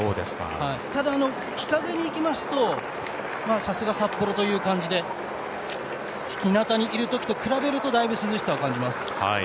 ただ日陰に行きますとさすが札幌という感じで日なたにいる時と比べるとだいぶ涼しさを感じます。